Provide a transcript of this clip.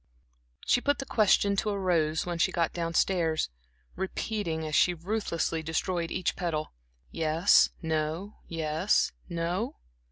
She put the question to a rose when she got down stairs, repeating as she ruthlessly destroyed each petal. "Yes, no, yes, no?"